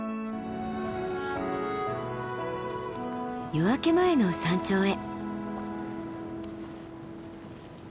夜明け前の山頂へ。